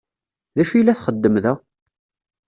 D acu i la txeddem da?